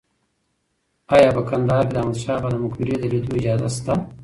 ایا په کندهار کې د احمد شاه بابا د مقبرې د لیدو اجازه شته؟